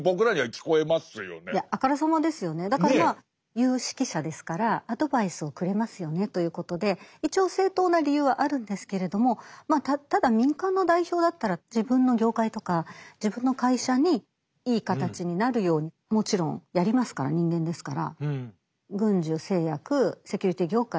「有識者」ですからアドバイスをくれますよねということで一応正当な理由はあるんですけれどもただ民間の代表だったら自分の業界とか自分の会社にいい形になるようにもちろんやりますから人間ですから軍需製薬セキュリティ業界。